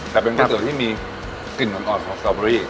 แต่เป็นก๋วยเตี๋ยวที่มีกลิ่นอ่อนของสตอเบอรี่